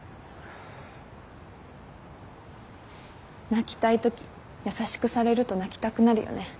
泣きたいとき優しくされると泣きたくなるよね。